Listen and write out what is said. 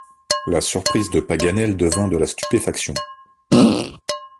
La surprise de Paganel devint de la stupéfaction.